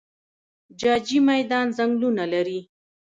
جاجي میدان ځنګلونه لري؟